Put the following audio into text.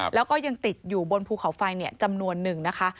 แล้วก็ยังติดอยู่บนภูเขาไฟจำนวนหนึ่งนะคะ